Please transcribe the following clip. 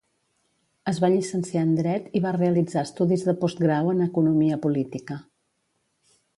Es va llicenciar en Dret i va realitzar estudis de postgrau en economia política.